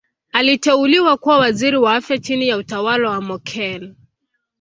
Aliteuliwa kuwa Waziri wa Afya chini ya utawala wa Mokhehle.